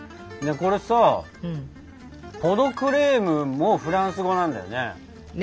これさポ・ド・クレームもフランス語なんだよね？